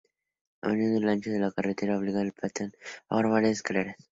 A menudo, el ancho de la carretera obliga al pelotón a formar varias escaleras.